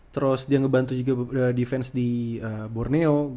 terus dia ngebantu juga defense di borneo